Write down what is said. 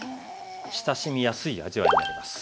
親しみやすい味わいになります。